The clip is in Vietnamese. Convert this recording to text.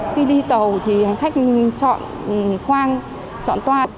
khi đi tàu thì hành khách chọn khoang chọn toat